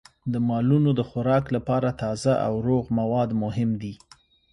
د مالونو د خوراک لپاره تازه او روغ مواد مهم دي.